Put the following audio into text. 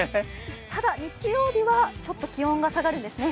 ただ、日曜日はちょっと気温が下がるんですね。